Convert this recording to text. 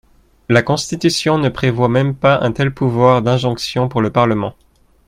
La Constitution ne prévoit même pas un tel pouvoir d’injonction pour le Parlement.